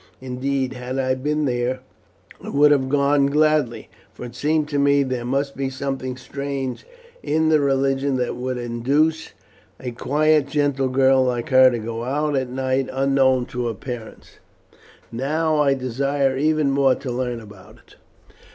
Indeed, had I been here I would have gone gladly, for it seemed to me there must be something strange in the religion that would induce a quiet gentle girl like her to go out at night unknown to her parents. Now I desire even more to learn about it.